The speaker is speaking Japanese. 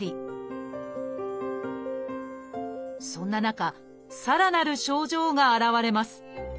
そんな中さらなる症状が現れます。